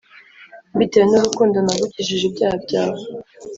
Mbitewe n’urukundo nagukijije ibyaha byawe